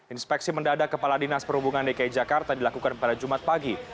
inspeksi mendadak kepala dinas perhubungan dki jakarta dilakukan pada jumat pagi